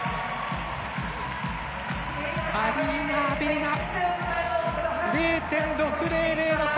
アリーナ・アベリナ、０．６００の差。